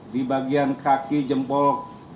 di bagian kaki jempol